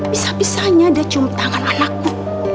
bisa bisanya dia cium tangan anakku